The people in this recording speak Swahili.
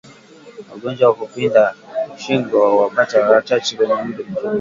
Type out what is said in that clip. Ugonjwa wa kupinda shingo huwapata wanyama wachache wenye umri mkubwa